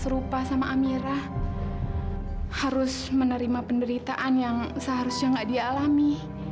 berupa sama amira harus menerima penderitaan yang seharusnya nggak dialami